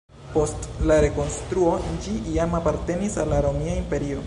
Post la rekonstruo ĝi jam apartenis al la Romia Imperio.